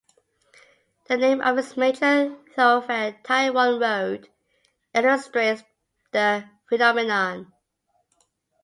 The name of its major thoroughfare Tai Wan Road, illustrates the phenomenon.